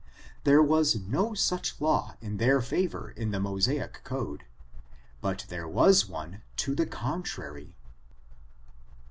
there was no such law in their favor in the Mosaic code, but there was one to the contrary.